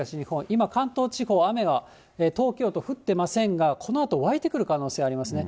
今、関東地方、雨は東京都、降ってませんが、このあと、湧いてくる可能性ありますね。